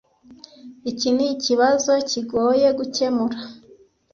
Iki nikibazo kigoye gukemura